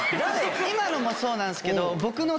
今のもそうなんですけど。